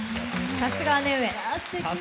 さすが姉上。